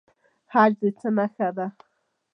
حج د څه نښه ده؟